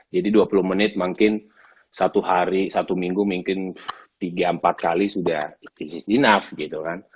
jadi dua puluh menit mungkin satu hari satu minggu mungkin tiga empat kali sudah enough gitu kan